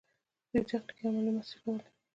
دوی تخنیکي او مالي مرستې کولې.